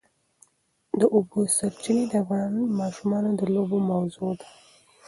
د اوبو سرچینې د افغان ماشومانو د لوبو موضوع ده.